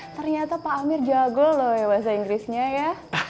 ternyata pak amir jago loh ya bahasa inggrisnya ya